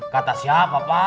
kata siapa pak